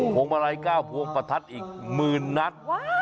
วงมาลัย๙พวงประทัดอีกหมื่นนัด